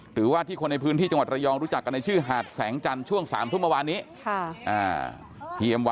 หรือว่าที่คนในพื้นที่จังหวัดระยองรู้จักกันในชื่อหาดแสงจันทร์ช่วง๓ทุ่มเมื่อวานนี้